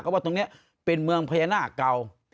เพราะว่าตรงนี้เป็นเมืองพญานาคเก่า